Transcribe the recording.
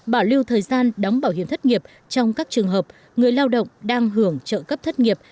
ba bảo lưu thời gian đóng bảo hiểm thất nghiệp trong các trường hợp người lao động đang hưởng trợ cấp thất nghiệp